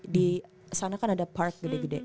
di sana kan ada park gede gede